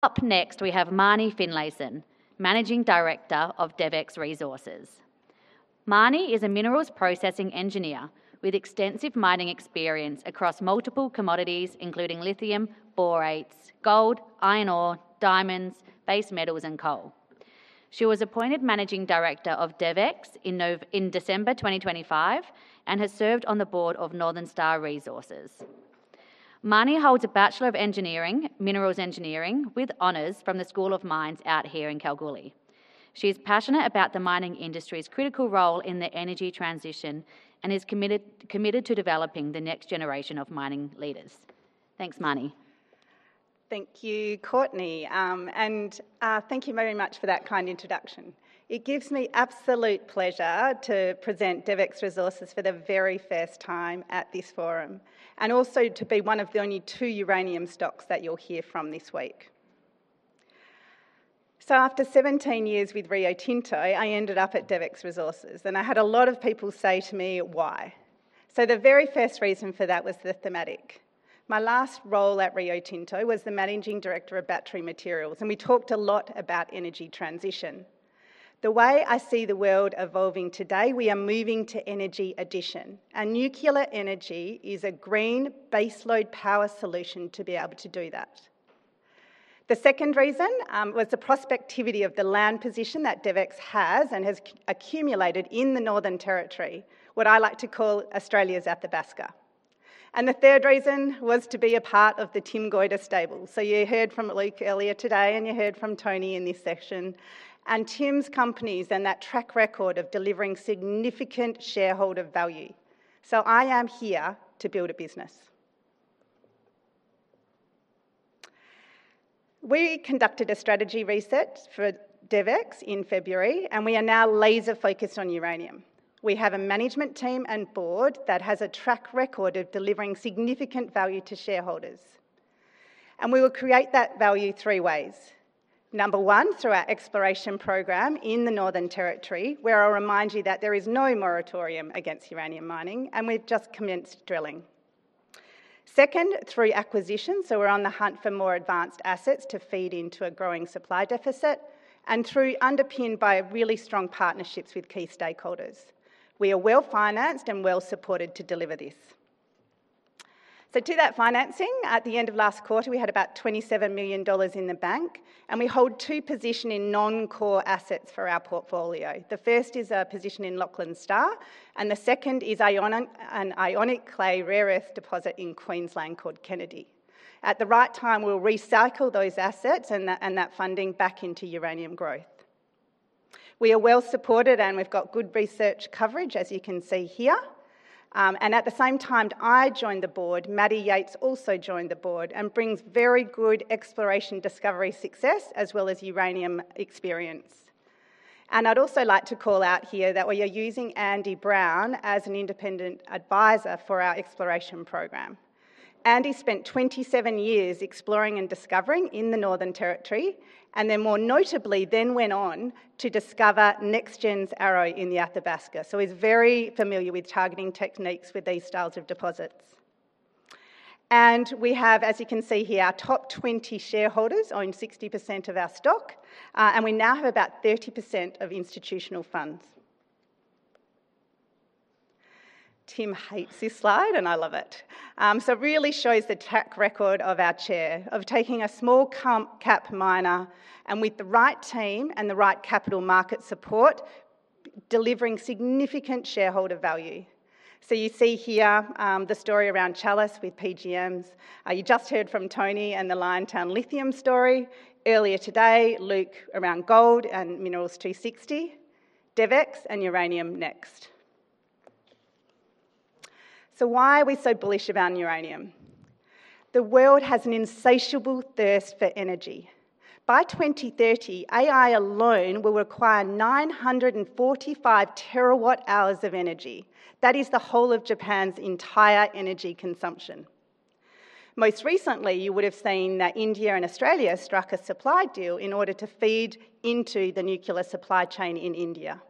Up next, we have Marnie Finlayson, Managing Director of DevEx Resources. Marnie is a minerals processing engineer with extensive mining experience across multiple commodities, including lithium, borates, gold, iron ore, diamonds, base metals, and coal. She was appointed Managing Director of DevEx in December 2025 and has served on the board of Northern Star Resources. Marnie holds a Bachelor of Engineering, Minerals Engineering with honors from the School of Mines out here in Kalgoorlie. She is passionate about the mining industry's critical role in the energy transition and is committed to developing the next generation of mining leaders. Thanks, Marnie. Thank you, Courtney. Thank you very much for that kind introduction. It gives me absolute pleasure to present DevEx Resources for the very first time at this forum, and also to be one of the only two uranium stocks that you'll hear from this week. After 17 years with Rio Tinto, I ended up at DevEx Resources, and I had a lot of people say to me, why? The very first reason for that was the thematic. My last role at Rio Tinto was the Managing Director of Battery Materials, and we talked a lot about energy transition. The way I see the world evolving today, we are moving to energy addition. Nuclear energy is a green baseload power solution to be able to do that. The second reason was the prospectivity of the land position that DevEx has and has accumulated in the Northern Territory, what I like to call Australia's Athabasca. The third reason was to be a part of the Tim Goyder stable. You heard from Luke earlier today, and you heard from Tony in this session, and Tim's companies and that track record of delivering significant shareholder value. I am here to build a business. We conducted a strategy reset for DevEx in February, and we are now laser-focused on uranium. We have a management team and board that has a track record of delivering significant value to shareholders. We will create that value three ways. Number one, through our exploration program in the Northern Territory, where I'll remind you that there is no moratorium against uranium mining, and we've just commenced drilling. Second, through acquisition, we're on the hunt for more advanced assets to feed into a growing supply deficit, and through underpinned by really strong partnerships with key stakeholders. We are well-financed and well-supported to deliver this. To that financing, at the end of last quarter, we had about 27 million dollars in the bank, and we hold two position in non-core assets for our portfolio. The first is a position in Lachlan Star, and the second is an ionic clay rare earth deposit in Queensland called Kennedy. At the right time, we'll recycle those assets and that funding back into uranium growth. We are well-supported, and we've got good research coverage, as you can see here. At the same time I joined the board, Matty Yates also joined the board and brings very good exploration discovery success as well as uranium experience. I'd also like to call out here that we are using Andy Browne as an independent advisor for our exploration program. Andy spent 27 years exploring and discovering in the Northern Territory, then more notably, went on to discover NexGen's Arrow in the Athabasca. He's very familiar with targeting techniques with these styles of deposits. We have, as you can see here, our top 20 shareholders own 60% of our stock, and we now have about 30% of institutional funds. Tim hates this slide, and I love it. It really shows the track record of our chair of taking a small cap miner, and with the right team and the right capital market support, delivering significant shareholder value. You see here, the story around Chalice Mining with PGMs. You just heard from Tony and the Liontown Resources Lithium story. Earlier today, Luke around gold and Minerals 260. DevEx Resources and uranium next. Why are we so bullish about uranium? The world has an insatiable thirst for energy. By 2030, AI alone will require 945 TWh of energy. That is the whole of Japan's entire energy consumption. Most recently, you would've seen that India and Australia struck a supply deal in order to feed into the nuclear supply chain in India.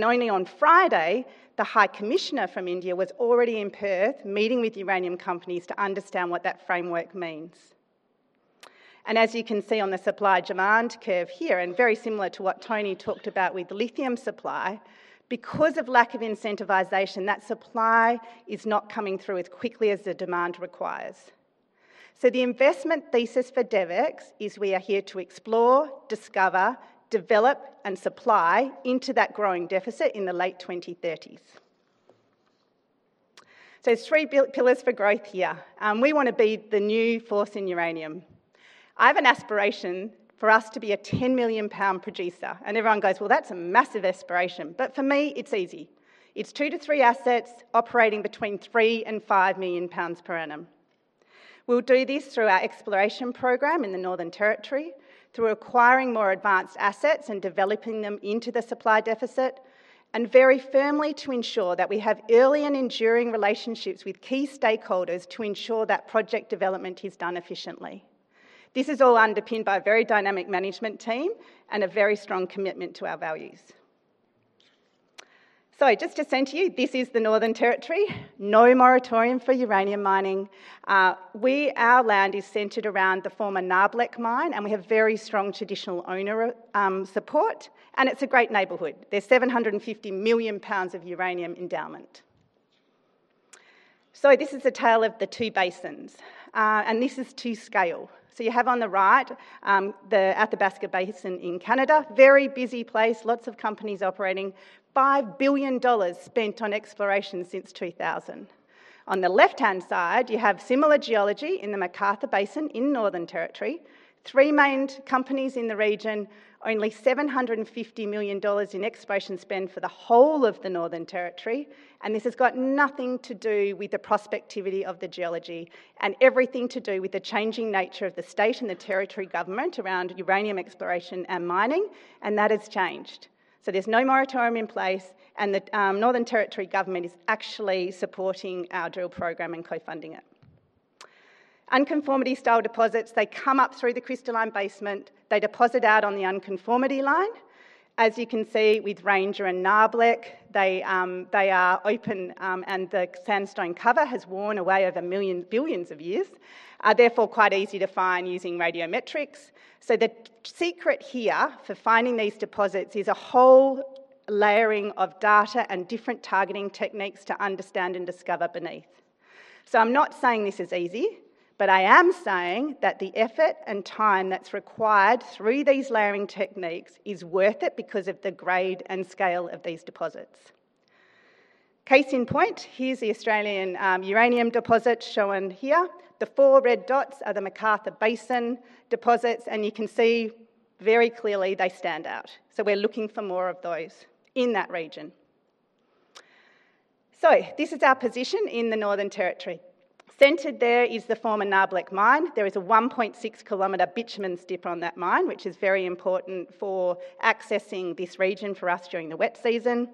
Only on Friday, the High Commissioner from India was already in Perth meeting with uranium companies to understand what that framework means. As you can see on the supply-demand curve here, and very similar to what Tony talked about with the lithium supply, because of lack of incentivization, that supply is not coming through as quickly as the demand requires. The investment thesis for DevEx Resources is we are here to explore, discover, develop, and supply into that growing deficit in the late 2030s. There's three pillars for growth here. We want to be the new force in uranium. I have an aspiration for us to be a 10 million lbs producer, and everyone goes, "Well, that's a massive aspiration." But for me, it's easy. It's two to three assets operating between 3 million lbs-5 million lbs per annum. We'll do this through our exploration program in the Northern Territory, through acquiring more advanced assets and developing them into the supply deficit, and very firmly to ensure that we have early and enduring relationships with key stakeholders to ensure that project development is done efficiently. This is all underpinned by a very dynamic management team and a very strong commitment to our values. Just to centre you, this is the Northern Territory. No moratorium for uranium mining. Our land is centred around the former Nabarlek mine, and we have very strong traditional owner support, and it's a great neighborhood. There's 750 million lbs of uranium endowment. This is the tale of the two basins, and this is to scale. You have on the right, the Athabasca Basin in Canada. Very busy place, lots of companies operating. 5 billion dollars spent on exploration since 2000. On the left-hand side, you have similar geology in the McArthur Basin in Northern Territory. Three manned companies in the region. Only 750 million dollars in exploration spend for the whole of the Northern Territory, this has got nothing to do with the prospectivity of the geology and everything to do with the changing nature of the state and the territory government around uranium exploration and mining, and that has changed. There's no moratorium in place, and the Northern Territory government is actually supporting our drill program and co-funding it. Unconformity-style deposits, they come up through the crystalline basement. They deposit out on the unconformity line. As you can see with Ranger and Nabarlek, they are open, and the sandstone cover has worn away over millions, billions of years, are therefore quite easy to find using radiometrics. The secret here for finding these deposits is a whole layering of data and different targeting techniques to understand and discover beneath. I'm not saying this is easy, but I am saying that the effort and time that's required through these layering techniques is worth it because of the grade and scale of these deposits. Case in point, here's the Australian uranium deposit shown here. The four red dots are the McArthur Basin deposits, and you can see very clearly they stand out. We're looking for more of those in that region. This is our position in the Northern Territory. Centred there is the former Nabarlek mine. There is a 1.6-km bitumen strip on that mine, which is very important for accessing this region for us during the wet season.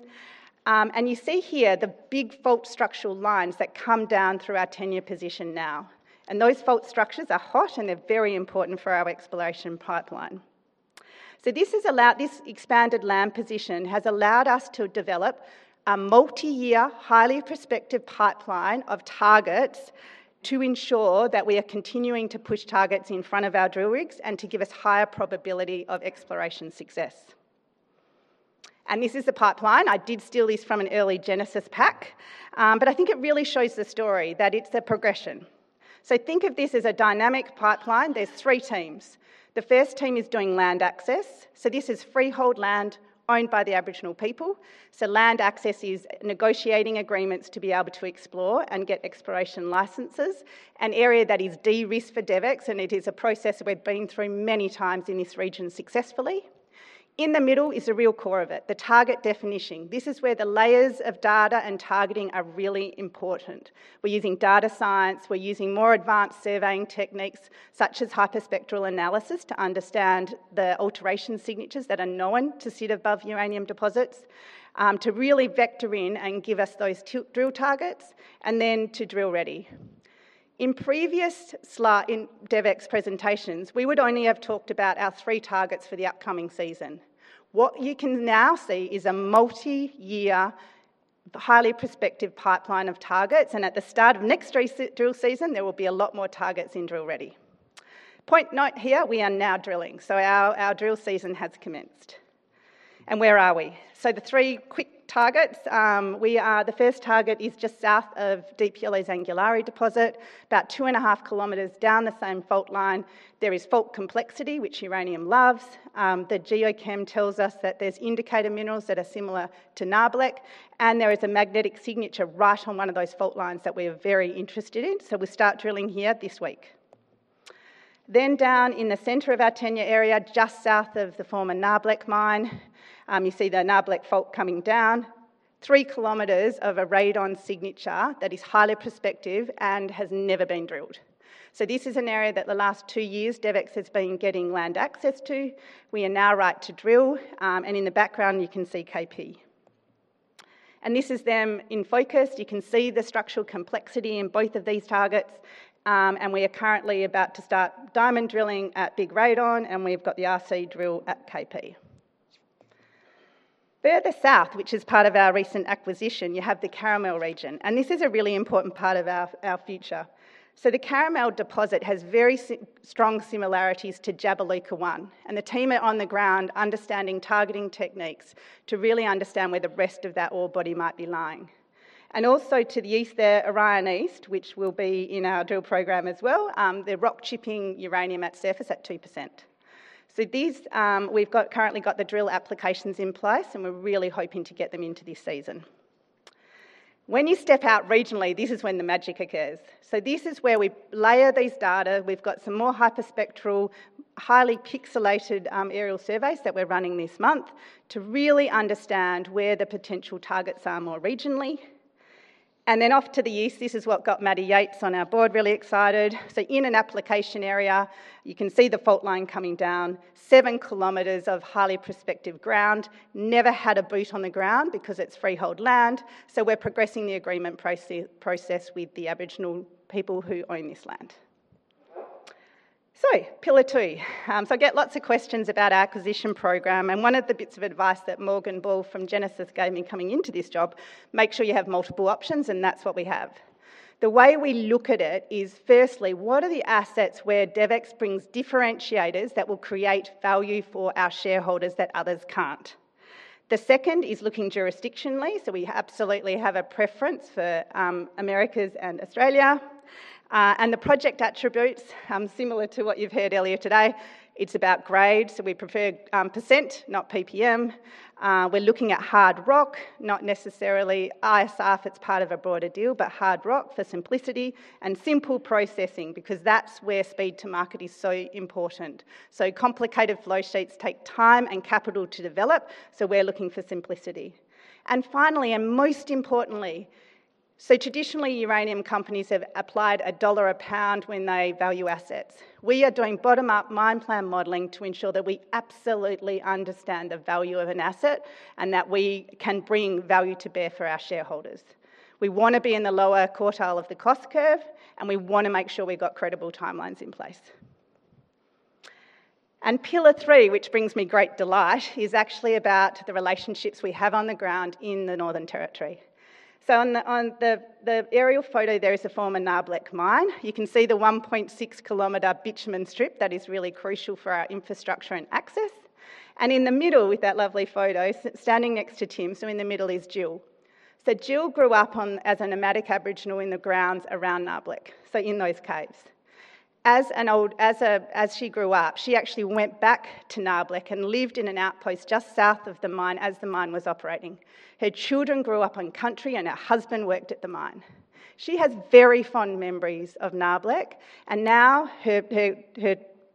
You see here the big fault structural lines that come down through our tenure position now, and those fault structures are hot, and they're very important for our exploration pipeline. This expanded land position has allowed us to develop a multi-year, highly prospective pipeline of targets to ensure that we are continuing to push targets in front of our drill rigs and to give us higher probability of exploration success. This is the pipeline. I did steal this from an early Genesis pack. But I think it really shows the story, that it's a progression. Think of this as a dynamic pipeline. There's three teams. The first team is doing land access. This is freehold land owned by the Aboriginal people. Land access is negotiating agreements to be able to explore and get exploration licenses, an area that is de-risked for DevEx, and it is a process we've been through many times in this region successfully. In the middle is the real core of it, the target definition. This is where the layers of data and targeting are really important. We're using data science. We're using more advanced surveying techniques, such as hyperspectral analysis, to understand the alteration signatures that are known to sit above uranium deposits, to really vector in and give us those drill targets, and then to drill ready. In previous DevEx presentations, we would only have talked about our three targets for the upcoming season. What you can now see is a multi-year, highly prospective pipeline of targets, and at the start of next drill season, there will be a lot more targets in drill ready. Point note here, we are now drilling. Our drill season has commenced. Where are we? The three quick targets. The first target is just south of Deep Yellow's Angularli deposit. About 2.5 km Down the same fault line, there is fault complexity, which uranium loves. The geochem tells us that there's indicator minerals that are similar to Nabarlek, and there is a magnetic signature right on one of those fault lines that we're very interested in. We start drilling here this week. Down in the center of our tenure area, just south of the former Nabarlek mine, you see the Nabarlek fault coming down, 3 km of a radon signature that is highly prospective and has never been drilled. This is an area that the last two years DevEx has been getting land access to. We are now right to drill, and in the background you can see KP. This is them in focus. You can see the structural complexity in both of these targets, and we are currently about to start diamond drilling at Big Radon, and we've got the RC drill at KP. Further south, which is part of our recent acquisition, you have the Caramal region, and this is a really important part of our future. The Caramal deposit has very strong similarities to Jabiluka 1, and the team are on the ground understanding targeting techniques to really understand where the rest of that ore body might be lying. And also to the east there, Orion East, which will be in our drill program as well. They're rock chipping uranium at surface at 2%. These, we've currently got the drill applications in place, and we're really hoping to get them into this season. When you step out regionally, this is when the magic occurs. This is where we layer these data. We've got some more hyperspectral, highly pixelated aerial surveys that we're running this month to really understand where the potential targets are more regionally. Off to the east, this is what got Matty Yates on our board really excited. In an application area, you can see the fault line coming down, 7 km of highly prospective ground. Never had a boot on the ground because it's freehold land, so we're progressing the agreement process with the Aboriginal people who own this land. Pillar two. I get lots of questions about acquisition program, and one of the bits of advice that Morgan Ball from Genesis gave me coming into this job, make sure you have multiple options, and that's what we have. The way we look at it is firstly, what are the assets where DevEx brings differentiators that will create value for our shareholders that others can't? The second is looking jurisdictionally. We absolutely have a preference for, Americas and Australia. The project attributes, similar to what you've heard earlier today, it's about grade, so we prefer percent, not PPM. We're looking at hard rock, not necessarily ISR that's part of a broader deal, but hard rock for simplicity and simple processing because that's where speed to market is so important. Complicated flow sheets take time and capital to develop, so we're looking for simplicity. Finally, and most importantly, traditionally, uranium companies have applied an AUD a pound when they value assets. We are doing bottom-up mine plan modeling to ensure that we absolutely understand the value of an asset, and that we can bring value to bear for our shareholders. We want to be in the lower quartile of the cost curve, and we want to make sure we've got credible timelines in place. And pillar 3, which brings me great delight, is actually about the relationships we have on the ground in the Northern Territory. On the aerial photo there is the former Nabarlek mine. You can see the 1.6-km bitumen strip that is really crucial for our infrastructure and access. And in the middle with that lovely photo, standing next to Tim, in the middle, is Jill. Jill grew up as a nomadic Aboriginal in the grounds around Nabarlek, in those caves. As she grew up, she actually went back to Nabarlek and lived in an outpost just south of the mine as the mine was operating. Her children grew up on country, and her husband worked at the mine. She has very fond memories of Nabarlek, and now her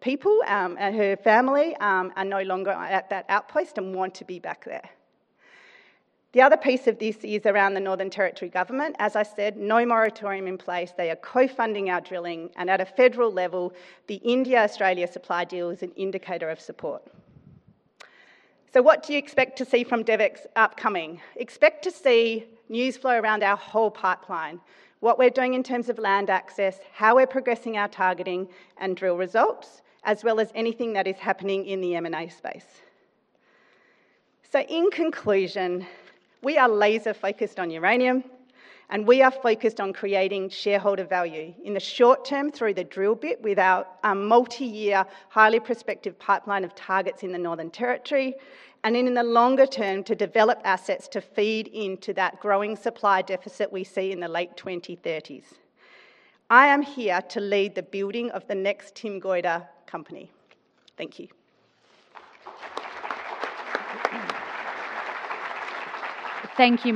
people, and her family, are no longer at that outpost and want to be back there. The other piece of this is around the Northern Territory Government. As I said, no moratorium in place. They are co-funding our drilling, and at a federal level, the India-Australia supply deal is an indicator of support. What do you expect to see from DevEx upcoming? Expect to see news flow around our whole pipeline, what we're doing in terms of land access, how we're progressing our targeting and drill results, as well as anything that is happening in the M&A space. In conclusion, we are laser-focused on uranium, and we are focused on creating shareholder value in the short term through the drill bit with our multiyear, highly prospective pipeline of targets in the Northern Territory, and in the longer term, to develop assets to feed into that growing supply deficit we see in the late 2030s. I am here to lead the building of the next Tim Goyder company. Thank you. Thank you